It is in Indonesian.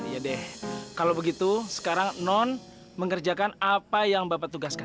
ya deh kalau begitu sekarang non mengerjakan apa yang bapak tugaskan